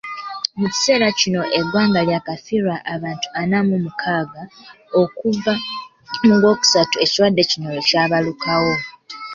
Mu kiseera kino eggwanga lyakafiirwa abantu ana mu mukaaga okuva mu gw'okusatu ekirwadde kino lwe kyabalukawo.